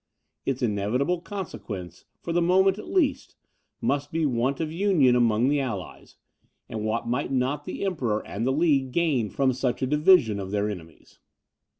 Its inevitable consequence, for the moment at least, must be want of union among the allies, and what might not the Emperor and the League gain from such a division of their enemies?